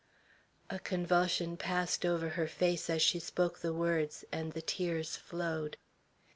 A convulsion passed over her face as she spoke the word, and the tears flowed.